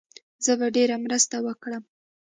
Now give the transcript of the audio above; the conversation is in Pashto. زه به ډېره مرسته وکړم.